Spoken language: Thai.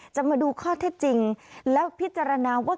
จะมาดูข้อเท็จจริงแล้วพิจารณาว่า